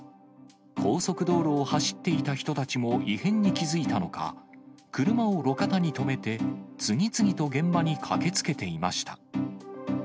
高速道路を走っていた人たちも異変に気付いたのか、車を路肩に止めて、次々と現場に駆けつけていました。